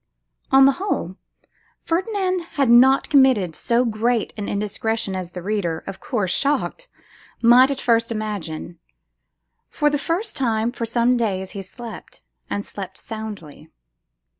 On the whole, Ferdinand had not committed so great an indiscretion as the reader, of course shocked, might at first imagine. For the first time for some days he slept, and slept soundly.